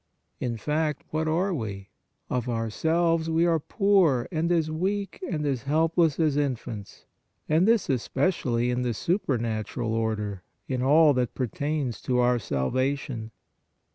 In fact, what are we? Of ourselves we are poor and as weak and as helpless as infants, and this especially in the supernatural order, in all that per tains to our salvation.